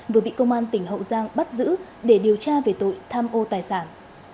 vừa bị công an tỉnh hậu giang bắt giữ để điều tra về tội tham ô tài sản